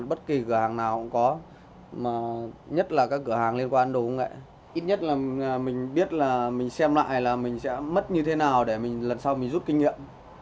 ít nhất là mình biết là mình xem lại là mình sẽ mất như thế nào để mình lần sau mình rút kinh nghiệm